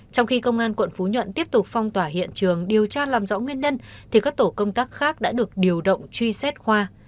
trong khi công an quận phú nhuận tiếp tục phong tỏa hiện trường điều tra làm rõ nguyên nhân thì các tổ công tác khác đã được điều động truy xét khoa